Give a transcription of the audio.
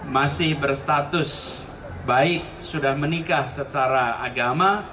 masih berstatus baik sudah menikah secara agama